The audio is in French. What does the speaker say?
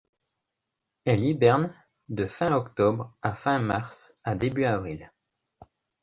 Elle hiberne de fin octobre à fin mars à début avril.